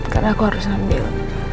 karena aku harus ambil